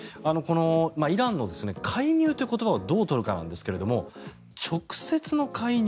イランの介入という言葉をどう取るかなんですが直接の介入